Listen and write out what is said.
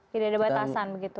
tidak ada batasan begitu